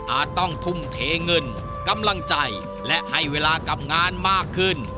ต้องทุ่มเทเงินกำลังใจและให้เวลากับงานมากขึ้น